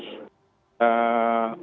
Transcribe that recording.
itu tersebut gak buruk